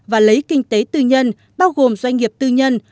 và lấy kinh tế tư nhân bao gồm doanh nghiệp tư nhân